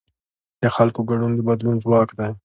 د خلکو ګډون د بدلون ځواک دی